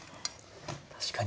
確かに。